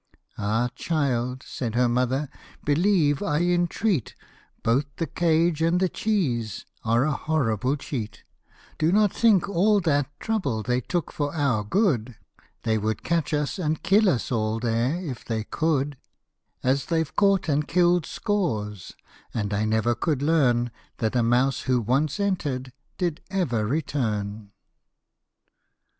" Ah, child !" said her mother, (' believe, I entreat, Both the cage and the cheese are a horrible cheat : Do not think all that trouble they took for our good ; They would catch us, and kill us all there if they could, As they've caught and kill'd scores ; and I never could learn, That a mouse who once enter'd, did ever return